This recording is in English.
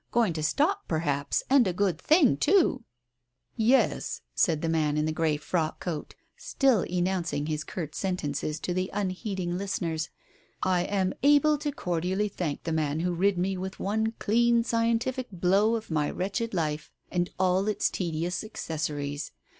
Going to stop perhaps, and a good thing too I " "Yes," said the man in the grey frock coat, still enouncing his curt sentences to the unheeding listeners, " I am able to cordially thank the man who rid me with one clean scientific blow of my wretched life and all its tedious accessories.